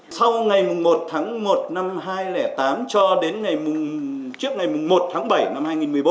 sau ngày một tháng một năm hai nghìn tám cho đến trước ngày một tháng bảy năm hai nghìn một mươi bốn